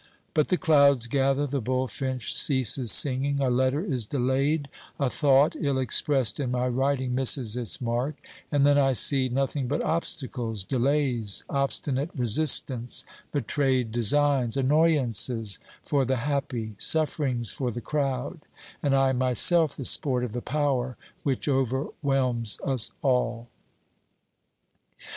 But the clouds gather, the bullfinch ceases sing ing, a letter is delayed, a thought ill expressed in my writing misses its mark ; and then I see nothing but obstacles, delays, obstinate resistance, betrayed designs, annoyances for the happy, sufferings for the crowd, and I am myself the sport of the power which overwhelms us all.